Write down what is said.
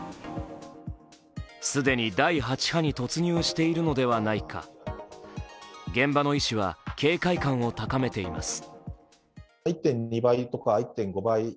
既に第８波に突入しているのではないか、現場の医師は警戒感を高めています。